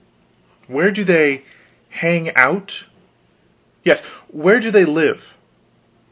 "Where do they hang out?" "Yes, where do they live?"